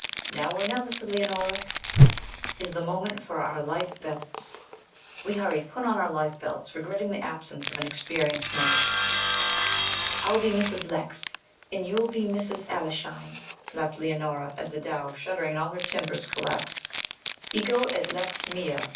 'Now or never,' said Leonora, 'is the moment for our life belts.' We hurriedly put on our life belts, regretting the absence of an experienced maid. 'I'll be Mrs. Lecks, and you'll be Mrs. Aleshine!' laughed Leonora, as the dhow, shuddering in all her timbers, collapsed. '_Ego et Lecks mea!